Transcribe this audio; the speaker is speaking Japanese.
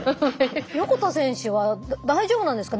横田選手は大丈夫なんですか？